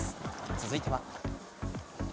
続いては。